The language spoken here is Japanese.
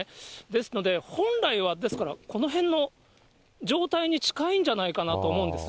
ですので、本来はですから、この辺の状態に近いんじゃないかなと思うんです。